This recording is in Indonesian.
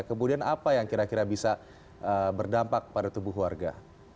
kemudian apa yang kira kira bisa berdampak pada tubuh warga